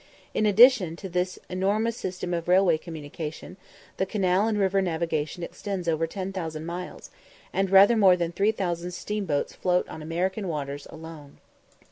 In addition to this enormous system of railway communication, the canal and river navigation extends over 10,000 miles, and rather more than 3000 steamboats float on American waters alone.